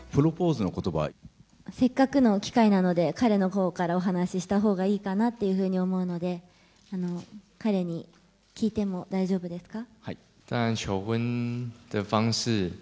せっかくの機会なので、彼のほうからお話をしたほうがいいかなと思うので、彼に聞いても大丈夫ですか？